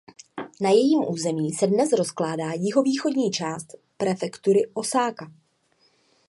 Na jejím území se dnes rozkládá jihovýchodní část prefektury Ósaka.